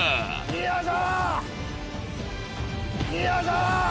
よし！